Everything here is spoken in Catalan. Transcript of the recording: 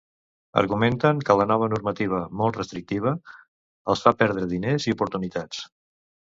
Argumenten que la nova normativa, molt restrictiva, els fa perdre diners i oportunitats.